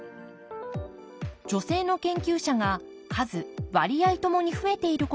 女性の研究者が数割合ともに増えていることを示すグラフです。